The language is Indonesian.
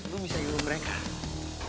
lu bisa ilu mereka